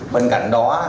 bên cạnh đó